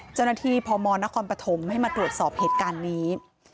เจ้าหน้าที่พมนปให้มาตรวจสอบเหตุการณ์นี้